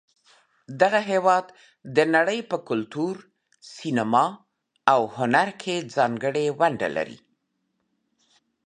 دغه هېواد د نړۍ په کلتور، سینما، او هنر کې ځانګړې ونډه لري.